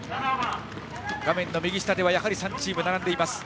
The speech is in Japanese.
画面の右下ではやはり３チームが並んでいます。